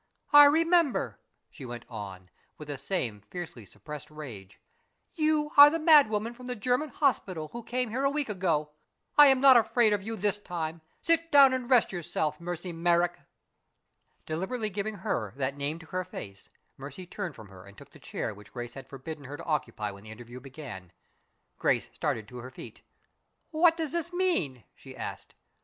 "I remember!" she went on, with the same fiercely suppressed rage. "You are the madwoman from the German hospital who came here a week ago. I am not afraid of you this time. Sit down and rest yourself, Mercy Merrick." Deliberately giving her that name to her face, Mercy turned from her and took the chair which Grace had forbidden her to occupy when the interview began. Grace started to her feet. "What does this mean?" she asked.